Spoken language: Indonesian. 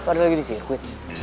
pada lagi disirkuin